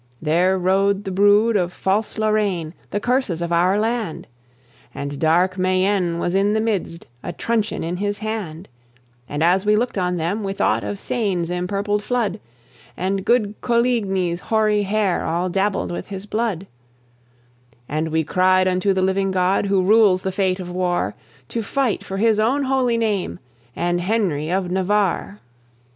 There rode the brood of false Lorraine, the curses of our land; And dark Mayenne was in the midst, a truncheon in his hand; And, as we looked on them, we thought of Seine's empurpled flood, And good Coligni's hoary hair all dabbled with his blood; And we cried unto the living God, who rules the fate of war, To fight for His own holy name, and Henry of Navarre.